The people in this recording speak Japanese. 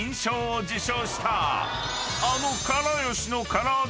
［あの］